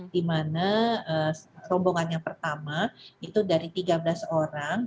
di mana rombongan yang pertama itu dari tiga belas orang